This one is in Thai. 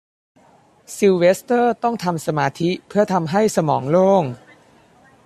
ซิลเวสเตอร์ต้องทำสมาธิเพื่อทำให้สมองโล่ง